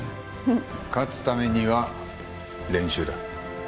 勝つためには練習だ。